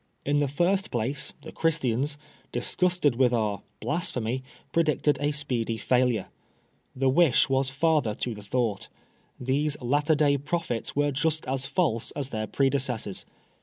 In the first place, the Christians, disgusted with our ' blasphemy,* predicted a speedy failure, llie wish was father to the thought These latter day prophets were just as false as their predecessors.